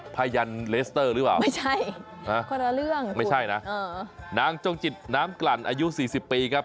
ผ้ายันเลสเตอร์หรือเปล่าไม่ใช่นะนางจงจิตน้ำกลั่นอายุ๔๐ปีครับ